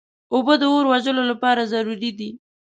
اوبه د اور وژلو لپاره ضروري دي.